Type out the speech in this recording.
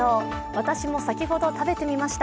私も先ほど食べてみました。